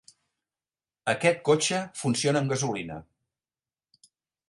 Aquest cotxe funciona amb gasolina.